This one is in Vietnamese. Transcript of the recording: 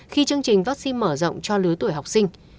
khi chương trình vaccine mở rộng cho lứa tuổi học sinh